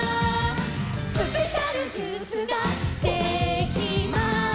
「スペシャルジュースができました」